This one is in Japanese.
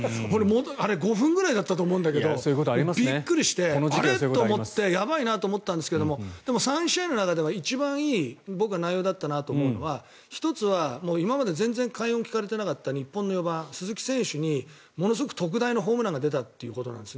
あれ、５分ぐらいだったと思うんだけどびっくりしてあれっと思ってやばいなと思ったんですけどでも３試合の中では一番いい僕は内容だったなと思うのは１つは今まで全然快音が聞かれていなかった日本の４番、鈴木選手にものすごく特大のホームランが出たっていうことなんです。